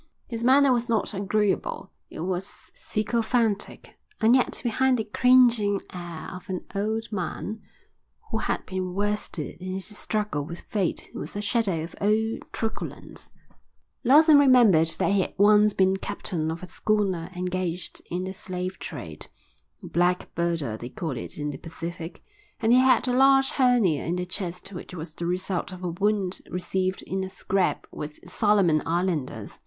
His manner was not agreeable. It was sycophantic, and yet behind the cringing air of an old man who had been worsted in his struggle with fate was a shadow of old truculence. Lawson remembered that he had once been captain of a schooner engaged in the slave trade, a blackbirder they call it in the Pacific, and he had a large hernia in the chest which was the result of a wound received in a scrap with Solomon Islanders.